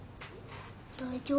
大丈夫。